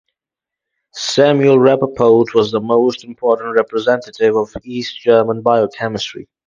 Samuel Rapoport was the most important representative of East German biochemistry.